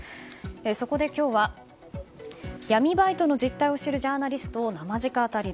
そこで今日は闇バイトの実態を知るジャーナリストを生直アタリ。